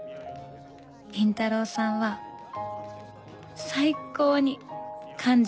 倫太郎さんは最高に感じ